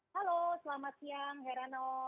halo selamat siang heranov